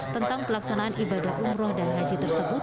tentang pelaksanaan ibadah umroh dan haji tersebut